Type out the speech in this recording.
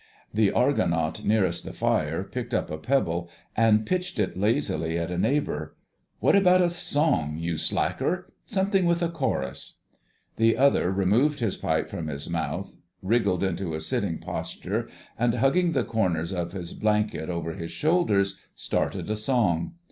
The Argonaut nearest the fire picked up a pebble and pitched it lazily at a neighbour. "What about a song, you slacker! Something with a chorus." The other removed his pipe from his mouth, wriggled into a sitting posture and, hugging the corners of his blanket over his shoulders, started a song.